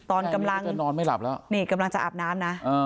ตอนกำลังคือนอนไม่หลับแล้วนี่กำลังจะอาบน้ำนะ